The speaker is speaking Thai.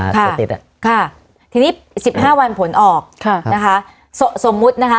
ค่ะทีนี้๑๕วันผลออกนะคะ